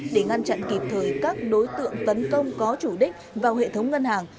để ngăn chặn kịp thời các đối tượng tấn công có chủ đích vào hệ thống ngân hàng